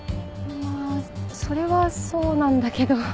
まぁそれはそうなんだけど。